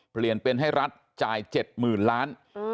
เปลี่ยนเป็นให้รัฐจ่าย๗๐๐๐๐ล้าน